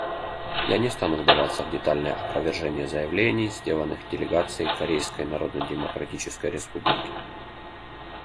Я не стану вдаваться в детальное опровержение заявлений, сделанных делегацией Корейской Народно-Демократической Республики.